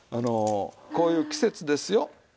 こういう季節ですよ。